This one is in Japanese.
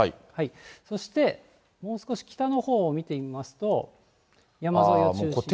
そして、もう少し北のほうを見てみますと、山沿いを中心に。